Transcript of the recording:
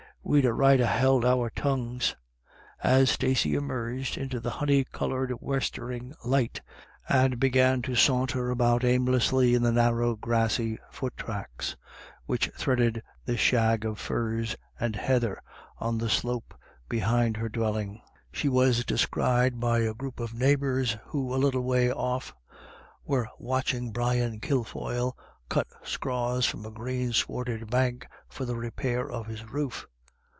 We'd a right to ha' held our tongues." As Stacey emerged into the honey coloured westering light, and began to saunter about aimlessly in the narrow grassy foot tracks which threaded the shag of furze and heather on the slope behind her dwelling, she was descried by BETWEEN TWO LAD Y DAYS. 217 a group of neighbours who a little way off were watching Brian Kilfoyle cut scraws from a green swarded bank for the repair of his roof.